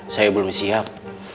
saya belum siap